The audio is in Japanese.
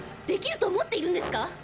できると思っているんですか